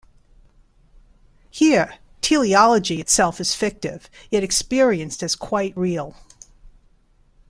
Here, 'teleology' itself is fictive yet experienced as quite real.